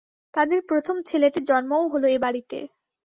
তাদের প্রথম ছেলেটির জন্মও হল এ-বাড়িতে।